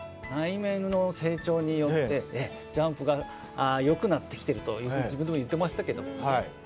内面の成長によってジャンプがよくなってきてるというふうに自分でも言ってましたけどもね。